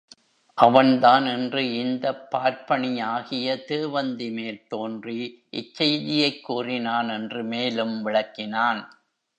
அவன்தான் இன்று இந்தப் பார்ப்பணியாகிய தேவந்திமேல் தோன்றி இச்செய்தியைக் கூறினான் என்று மேலும் விளக்கினான்.